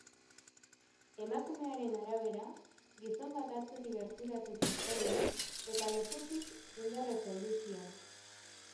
Emakumearen arabera, gizon bat atzetik gerturatu zitzaion eta lepotik indarrez heldu zion.